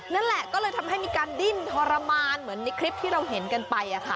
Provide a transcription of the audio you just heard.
นั่นแหละก็เลยทำให้มีการดิ้นทรมานเหมือนในคลิปที่เราเห็นกันไป